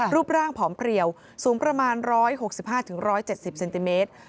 รูปร่างผอมเพลียวสูงประมาณ๑๖๕๑๗๐เซนติเมตร